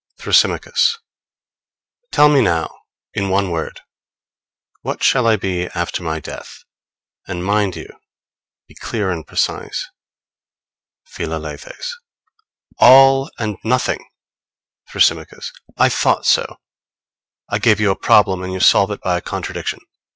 Thrasymachos. Tell me now, in one word, what shall I be after my death? And mind you be clear and precise. Philalethes. All and nothing! Thrasymachos. I thought so! I gave you a problem, and you solve it by a contradiction.